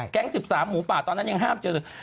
แก๊ง๑๓หมูป่าตอนนั้นยังห้ามเจอสื่อ